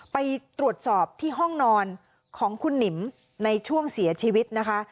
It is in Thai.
ไปตรวจสอบที่ห้องนอนของคุณหนิมในช่วงเสียชีวิตนะคะ